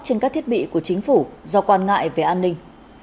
trên các thiết bị của chính phủ do quan ngại về an ninh